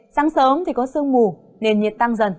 sáng sớm thì có sương mù nền nhiệt tăng dần